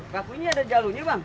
gak punya ada jalunya bang